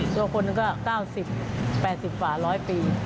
ชั่วคนก็๙๐๘๐ป่าวร้อยปี